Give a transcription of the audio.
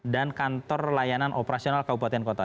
dan kantor layanan operasional kabupaten kota